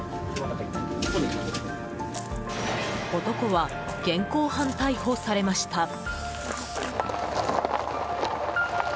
男は現行犯逮捕されました。